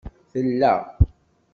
Tella